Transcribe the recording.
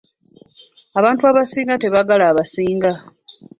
Abantu abasinga tebaagala abasinga.